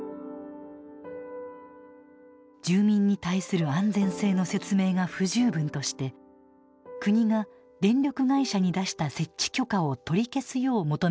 住民に対する安全性の説明が不十分として国が電力会社に出した設置許可を取り消すよう求めたのです。